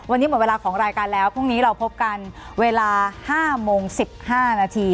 วันนี้หมดเวลาของรายการแล้วพรุ่งนี้เราพบกันเวลา๕โมง๑๕นาที